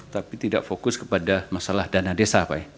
tapi tidak fokus kepada masalah dana desa pak ya